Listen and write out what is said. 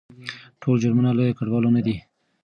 ټول جرمونه له کډوالو نه دي.